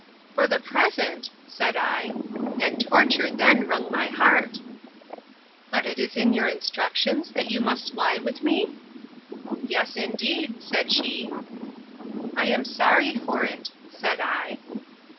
For the present! said I, and torture then wrung my heart!—But is it in your instructions, that you must lie with me? Yes, indeed, said she.—I am sorry for it, said I.